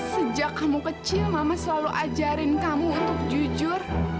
sejak kamu kecil mama selalu ajarin kamu untuk jujur